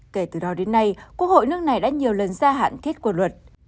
kể từ đó đến nay quốc hội nước này đã nhiều lần gia hạn thiết quân luật